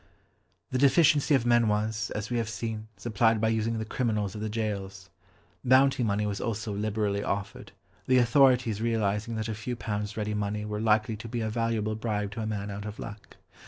The deficiency of men was, as we have seen, supplied by using the criminals of the gaols. Bounty money was also liberally offered, the authorities realising that a few pounds ready money were likely to be a valuable bribe to a man out of luck.